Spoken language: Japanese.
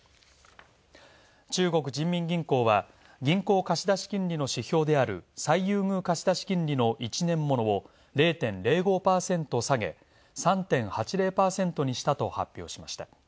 中国人民銀行は、銀行貸出金利の指標である最優遇貸出金利の１年ものを０．０５％下げ３．８０％にしたと発表しました。